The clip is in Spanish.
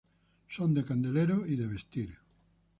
Son de candelero y de vestir.